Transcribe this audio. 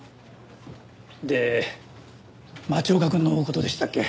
で町岡くんの事でしたっけ？